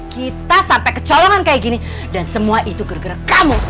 kita sampai ke colongan seperti ini dan semua itu gara gara kamu